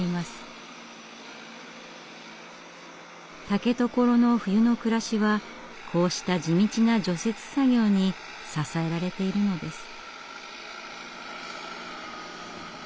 竹所の冬の暮らしはこうした地道な除雪作業に支えられているのです。